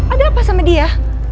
ada apa sama dia